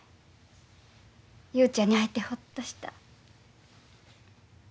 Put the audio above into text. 雄ちゃんに会えてほっとした。